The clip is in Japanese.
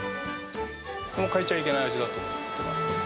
もう変えちゃいけない味だと思ってますけどね。